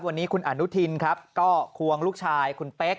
วันนี้คุณอนุทินครับก็ควงลูกชายคุณเป๊ก